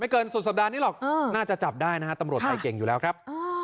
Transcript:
ครับ